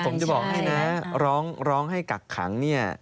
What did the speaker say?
ผมจะบอกให้นะร้องให้กักขังเนี่ย